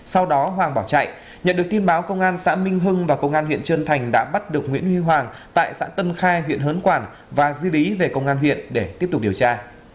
sau đó hoàng bỏ chạy nhận được tin báo công an xã minh hưng và công an huyện trơn thành đã bắt được nguyễn huy hoàng tại xã tân khai huyện hớn quản và di lý về công an huyện để tiếp tục điều tra